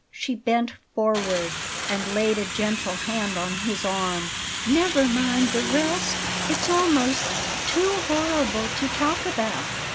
She bent forward and laid a gentle hand on his arm. "Never mind the rest; it's almost too horrible to talk about."